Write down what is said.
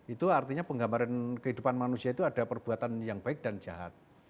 itu artinya penggambaran kehidupan manusia itu ada perbuatan yang baik dan jahat